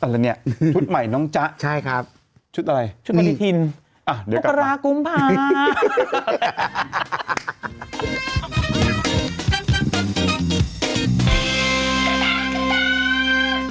จากแล้วนี่ชุดใหม่น้องจะะครับชุดอะไรนี่โลกลกรากุมภาฮ่าฮ่าฮ่า